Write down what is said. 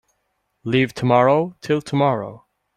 Leave tomorrow till tomorrow.